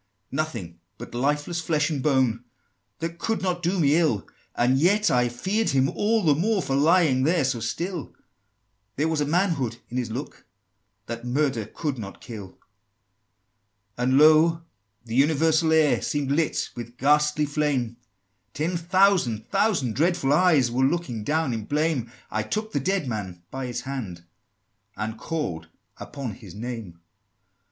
"Nothing but lifeless flesh and bone, That could not do me ill; And yet I feared him all the more, For lying there so still: There was a manhood in his look, That murder could not kill!" XVII. "And, lo! the universal air Seemed lit with ghastly flame; Ten thousand thousand dreadful eyes Were looking down in blame: I took the dead man by his hand, And called upon his name!"